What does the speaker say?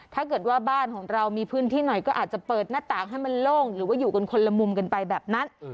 ถ้าเกิดว่าบ้านของเรามีพื้นที่หน่อยก็อาจจะเปิดหน้าต่างให้มันโล่งหรือว่าอยู่กันคนละมุมกันไปแบบนั้น